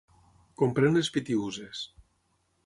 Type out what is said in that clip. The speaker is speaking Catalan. Comprèn les Pitiüses.